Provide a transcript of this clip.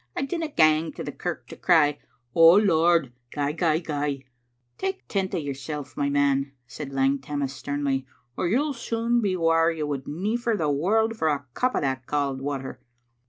I dinna gang to the kirk to cry, *Oh, Lord, gie, gie, gie." "Take tent o' yoursel', my man," said Lang Tam mas sternly, "or you'll soon be whaur you would neifer the warld for a cup o' that cauld water."